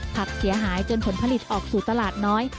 ผักเสียหายจนผลผลิตออกสู่ตลาดน้อย